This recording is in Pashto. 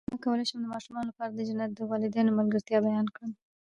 څنګه کولی شم د ماشومانو لپاره د جنت د والدینو ملګرتیا بیان کړم